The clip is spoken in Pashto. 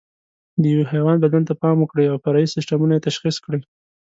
د یوه حیوان بدن ته پام وکړئ او فرعي سیسټمونه یې تشخیص کړئ.